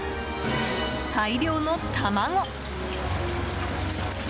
大量の卵。